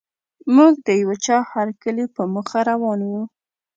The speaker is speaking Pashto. موږ د یوه چا هرکلي په موخه روان وو.